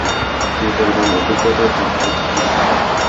কী পরিমাণ অভিজ্ঞতা অর্জন করেছিস?